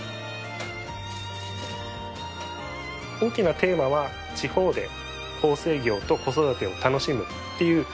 大きなテーマは地方で縫製業と子育てを楽しむっていう。